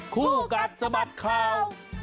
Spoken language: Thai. คู่กัดสมัติเขา